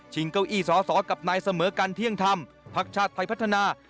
เก้าอี้สอสอกับนายเสมอกันเที่ยงธรรมพักชาติไทยพัฒนา